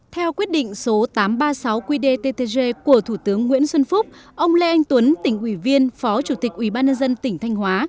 trong một nghìn tám trăm ba mươi sáu qdttg của thủ tướng nguyễn xuân phúc ông lê anh tuấn tỉnh ủy viên phó chủ tịch ubnd tỉnh thanh hóa